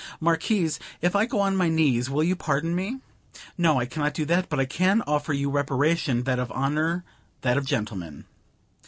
Marquis, if I go on my knees will you pardon me? No, I can't do that, but I can offer you reparation, that of honor, that of gentlemen.